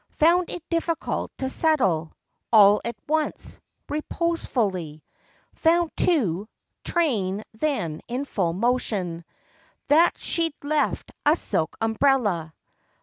Found it difficult to settle, All at once, reposefully. Found too—train then in full motion— That she'd left a silk umbrella.